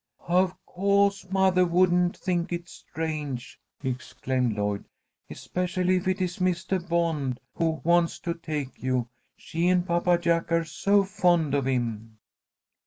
"Of co'se mothah wouldn't think it strange!" exclaimed Lloyd. "Especially if it is Mistah Bond who wants to take you. She and Papa Jack are so fond of him."